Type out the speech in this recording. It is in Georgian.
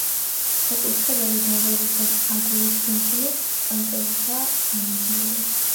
საკურთხეველი დარბაზისგან აგურით ნაშენი კანკელითაა გამიჯნული.